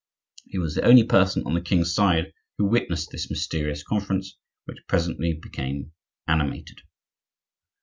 He was the only person on the king's side who witnessed this mysterious conference, which presently became animated.